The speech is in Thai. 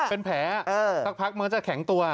เป็นแผลพักเมื่อจะแข็งตัว